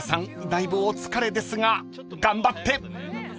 だいぶお疲れですが頑張って！］